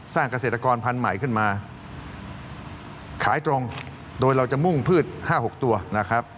เกษตรกรพันธุ์ใหม่ขึ้นมาขายตรงโดยเราจะมุ่งพืช๕๖ตัวนะครับ